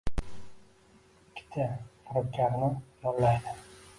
ikkita firibgarni yollaydi